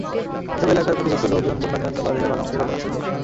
এসব এলাকার ক্ষতিগ্রস্ত লোকজন বন্যানিয়ন্ত্রণ বাঁধের ভালো অংশের ওপর আশ্রয় নিয়েছে।